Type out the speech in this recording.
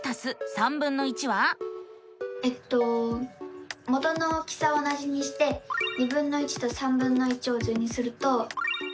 えっと元の大きさは同じにしてとを図にすると。